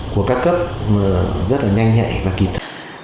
của các cấp rất là nhanh nhẹ và kịp thời